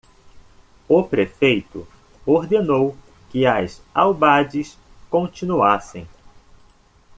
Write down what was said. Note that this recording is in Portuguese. O prefeito ordenou que as albades continuassem.